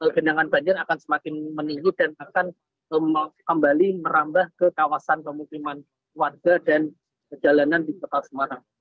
genangan banjir akan semakin meninggi dan akan kembali merambah ke kawasan pemukiman warga dan jalanan di kota semarang